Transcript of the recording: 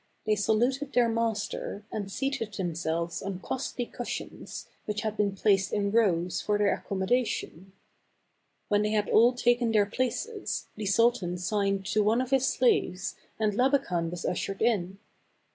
They saluted their master and seated themselves on costly cushions, which had been placed in rows for their accommodation. When they had all taken their places, the THE GAB AVAN. 215 sultan signed to one of his slaves, and Labakan was ushered in.